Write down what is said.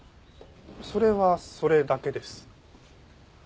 それはそれだけです。